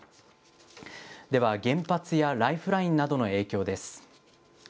では、原発やライフラインなどの影響です。